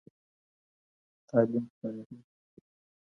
تعلیم خپرېده.